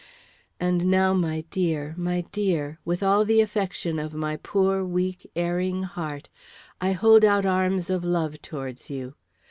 And now, my dear, my dear, with all the affection of my poor, weak, erring heart, I hold out arms of love towards you.